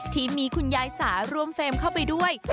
ที่มีคุณยายสารวมเฟรมเข้าไปด้วย